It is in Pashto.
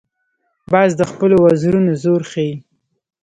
باز د خپلو وزرونو زور ښيي